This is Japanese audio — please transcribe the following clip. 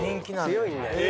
強いんだよな。